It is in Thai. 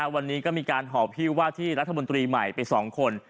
วันนี้ก็มีการหอบพี่ว่าที่รัฐมนตรีใหม่ไป๒คน